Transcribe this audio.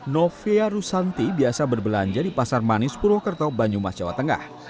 novia rusanti biasa berbelanja di pasar manis purwokerto banyumas jawa tengah